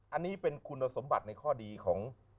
อันนี้เป็นคุณสมบัติในข้อดีของ